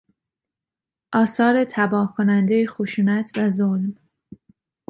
آثار تباهکنندهی خشونت و ظلم